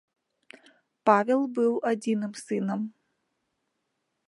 Павел быў адзіным сынам.